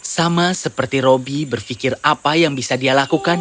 sama seperti robi berfikir apa yang bisa dia lakukan